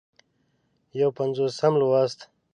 یو پينځوسم لوست